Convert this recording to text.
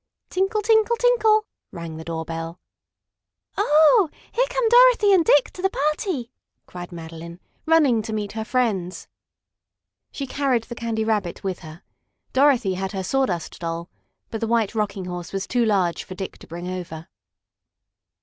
"Tinkle! Tinkle! Tinkle!" rang the door bell. "Oh, here come Dorothy and Dick to the party!" cried Madeline, running to meet her friends. She carried the Candy Rabbit with her. Dorothy had her Sawdust Doll, but the White Rocking Horse was too large for Dick to bring over.